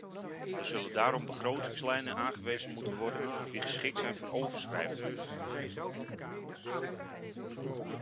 Er zullen daarom begrotingslijnen aangewezen moeten worden die geschikt zijn voor overschrijvingen.